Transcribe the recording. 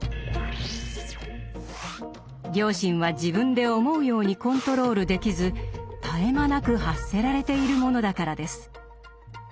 「良心」は自分で思うようにコントロールできず絶え間なく発せられているものだからです。